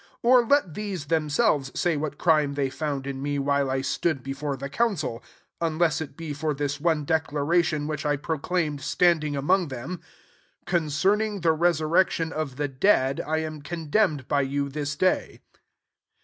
^ Oi* let these themselves say what crime they found in me, while I stood before the council; 21 unless U be for this one declaration, which I procUdmed standing among theitti 'Concernifig tbe resur rec^n of the dead I am con demned by you this day.'